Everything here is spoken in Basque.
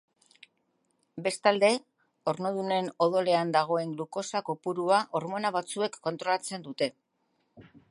Bestalde, ornodunen odolean dagoen glukosa kopurua hormona batzuek kontrolatzen dute.